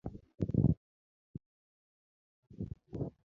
Chieng wuok tich onge tich